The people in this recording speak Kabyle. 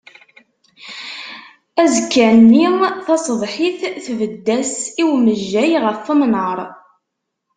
Azekkan-nni tasebḥit tbed-as i wemjay ɣef umnar.